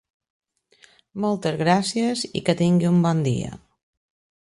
Moltes gràcies i que tingui un bon dia.